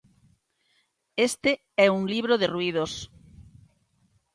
Este é un libro de ruídos.